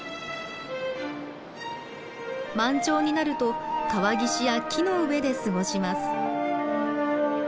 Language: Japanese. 満潮になると川岸や木の上で過ごします。